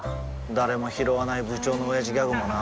誰もひろわない部長のオヤジギャグもな